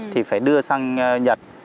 thì phải đưa sang nhật